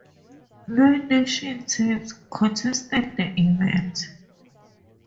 Nine nation teams contested the event.